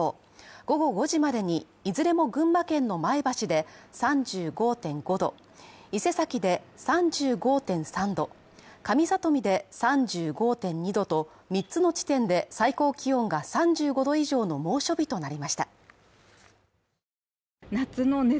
午後５時までにいずれも群馬県の前橋市で３５．５度、伊勢崎で３５．３度、上里見で３５．２度と３つの地点で最高気温が３５度以上の猛暑日となりました。